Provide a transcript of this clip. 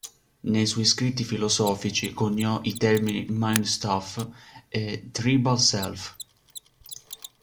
Nei suoi scritti filosofici coniò i termini "mind-stuff" e "tribal self".